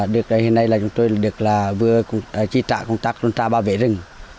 được hiện nay là chúng tôi được vừa chi trả công tác công tác ba vế rừng